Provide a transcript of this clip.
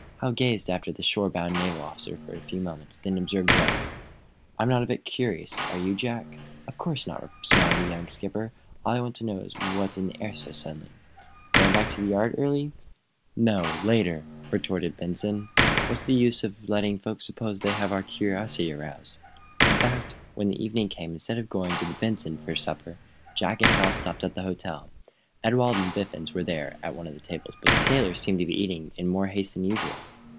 Hal gazed after the shore bound naval officer for a few moments, then observed, dryly: "I'm not a bit curious. Are you, Jack?" "Of course not," smiled the young skipper. "All I want to know is what's in the air so suddenly." "Going back to the yard earlier?" "No; later," retorted Benson. "What is the use of letting folks suppose they have our curiosity aroused?" In fact, when evening came on, instead of going to the "Benson" for supper, Jack and Hal stopped at the hotel. Ewald and Biffens were there, at one of the tables, but the sailors seemed to be eating in more haste than usual.